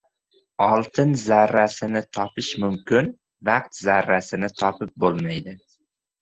• Oltin zarrasini topish mumkin, vaqt zarrasini topib bo‘lmaydi.